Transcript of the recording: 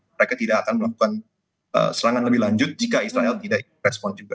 mereka tidak akan melakukan serangan lebih lanjut jika israel tidak respon juga